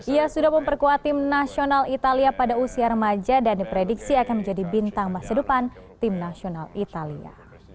ia sudah memperkuat tim nasional italia pada usia remaja dan diprediksi akan menjadi bintang masa depan tim nasional italia